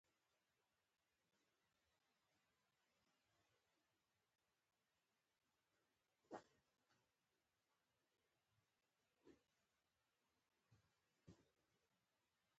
که خدای مه کړه.